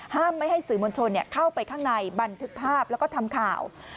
ไม่ให้สื่อมวลชนเข้าไปข้างในบันทึกภาพแล้วก็ทำข่าว